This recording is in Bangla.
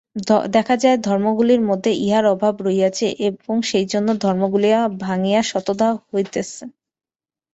দেখা যায়, ধর্মগুলির মধ্যে ইহার অভাব রহিয়াছে এবং সেইজন্য ধর্মগুলি ভাঙিয়া শতধা হইতেছে।